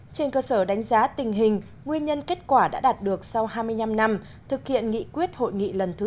trên cơ sở đánh giá tình hình nguyên nhân kết quả đã đạt được sau hai mươi năm năm thực hiện nghị quyết hội nghị lần thứ một mươi